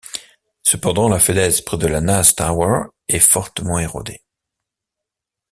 Cependant, la falaise près de la Naze Tower est fortement érodée.